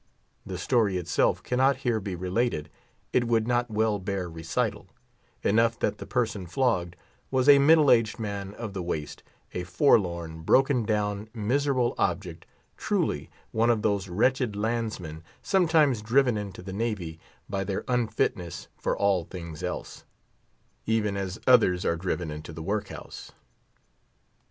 The story itself cannot here be related; it would not well bear recital: enough that the person flogged was a middle aged man of the Waist—a forlorn, broken down, miserable object, truly; one of those wretched landsmen sometimes driven into the Navy by their unfitness for all things else, even as others are driven into the workhouse.